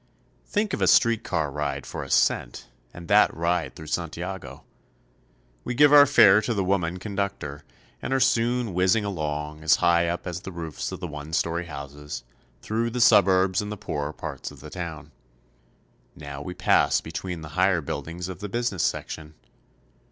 Think of a street car ride for a cent, and that ride through Santiago! We give our fare to the woman con ductor, and are soon whizzing along, as high up as the roofs of the one story houses, through the suburbs and poorer parts of the town. Now we pass between the higher buildings of the business section.